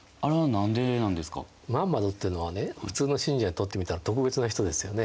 ムハンマドっていうのはね普通の信者にとってみたら特別な人ですよね。